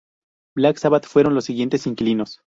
Black Sabbath fueron los siguientes inquilinos.